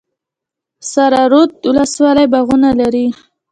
سره رود ولسوالۍ باغونه لري؟